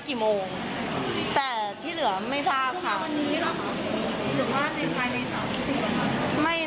กี่โมงแต่ที่เหลือไม่ทราบค่ะวันนี้หรอหรือว่าในในสามไม่